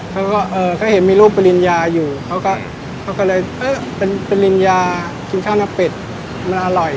เขาก็เออเขาเห็นมีรูปปริญญาอยู่เขาก็เลยเออเป็นปริญญากินข้าวหน้าเป็ดมันอร่อย